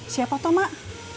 siapa tau mak